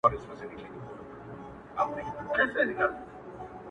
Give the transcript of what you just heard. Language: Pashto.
له پاڼو تشه ده ویجاړه ونه،